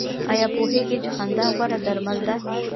ایا پوهیږئ چې خندا غوره درمل ده؟